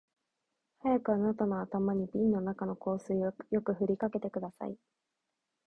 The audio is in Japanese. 早くあなたの頭に瓶の中の香水をよく振りかけてください